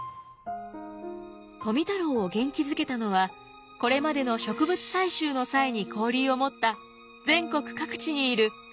富太郎を元気づけたのはこれまでの植物採集の際に交流を持った全国各地にいる植物愛好家たち。